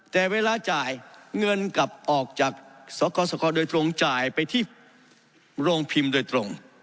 แต่เวลาจ่ายเงินกลับออกจากสกสคโดยตรงจ่ายไปที่โรงพิมพ์โดยตรง